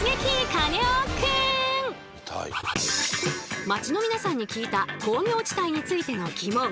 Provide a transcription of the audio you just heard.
カネオくん！街の皆さんに聞いた工業地帯についてのギモン。